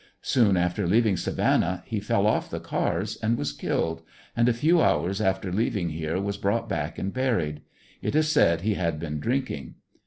Soon after leaving Savannah he fell off the cars and was killed, and a few hours after leaving here was brought back and buried; it is said he had been drinking.